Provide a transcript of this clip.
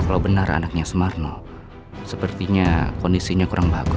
letak uju gitu